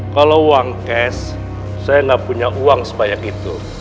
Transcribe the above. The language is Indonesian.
kalau uang cash saya nggak punya uang sebanyak itu